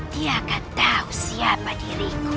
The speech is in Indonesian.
dia akan tahu siapa diriku